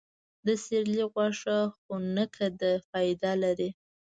د سیرلي غوښه خونکه ده، فایده لري.